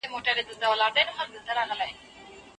دوی یو بل ته اړتیا لري ترڅو ژوند وکړي.